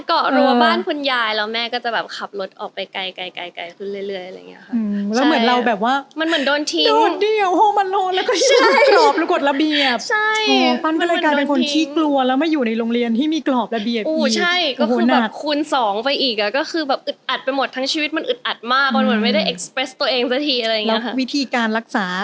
เกาะรัวบ้านคุณยายแล้วแม่ก็จะขับรถออกไปไกล